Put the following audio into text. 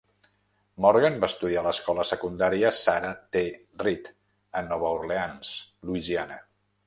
Morgan va estudiar a l'escola secundària Sarah T. Reed a Nova Orleans, Louisiana.